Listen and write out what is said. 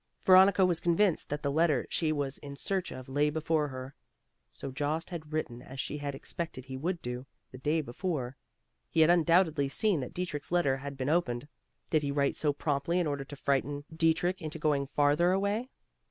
Veronica was convinced that the letter she was in search of lay before her. So Jost had written as she had expected he would do, the day before. He had undoubtedly seen that Dietrich's letter had been opened. Did he write so promptly in order to frighten Dietrich into going farther away?